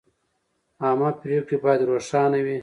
عامه پریکړې باید روښانه وي.